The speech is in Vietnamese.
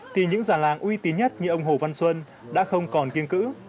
thì những già làng uy tín nhất như ông hồ văn xuân đã không còn kiên cữ